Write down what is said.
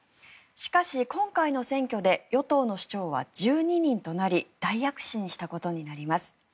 しかし、今回の選挙で与党の首長は１２人となり大躍進したことになります。